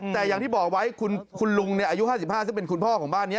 แต่อย่างที่บอกไว้คุณลุงอายุ๕๕ซึ่งเป็นคุณพ่อของบ้านนี้